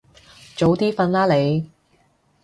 早啲瞓啦你